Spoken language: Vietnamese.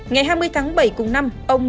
ngày hai mươi tháng bảy cùng năm ông